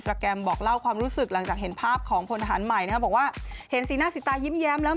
แหม่อะไรมันจะน่ารักขนาดนั้นล่ะเตอร์เอง